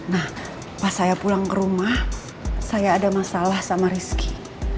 nah pas saya pulang ke rumah saya ada masalah sama rizky